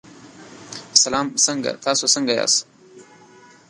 سلام څنګه تاسو څنګه یاست.